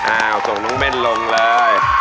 ส่งน้องเบ้นลงเลย